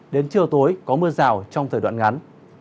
đến chiều tối có mưa rào trong thời đoạn ngắn